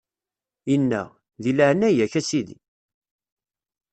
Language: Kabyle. Inna: Di leɛnaya-k, a Sidi!